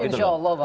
insya allah pak